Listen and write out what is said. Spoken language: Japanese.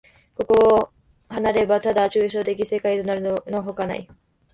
これを離れれば、ただ抽象的世界となるのほかない。